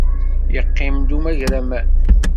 Yeqqim-d umagraman.